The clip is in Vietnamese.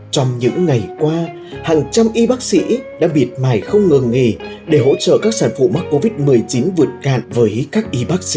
trong những ngày qua hàng trăm y bác sĩ đã bịt mải không ngừng nghỉ để hỗ trợ các sản phụ mắc covid một mươi chín vượt cạn với các y bác sĩ